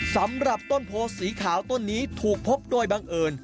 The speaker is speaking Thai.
สำหรับต้นโพสีขาวต้นนี้ถูกพบโดยบังเอิญ